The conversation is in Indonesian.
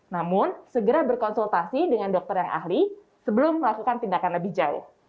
namun segera berkonsultasi dengan dokter yang ahli sebelum melakukan tindakan lebih jauh